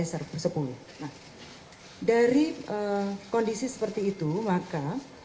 nah dari kondisi seperti itu maka